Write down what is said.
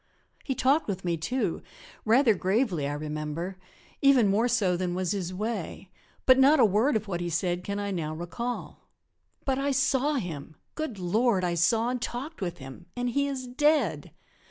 He talked with me, too, rather gravely, I remember, even more so than was his way, but not a word of what he said can I now recall. But I saw him good Lord, I saw and talked with him and he is dead!